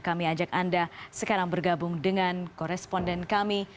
kami ajak anda sekarang bergabung dengan koresponden kami